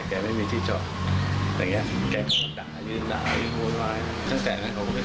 อย่างเงียบอย่างเงียบอย่างเงียบอย่างเงียบอย่างเงียบ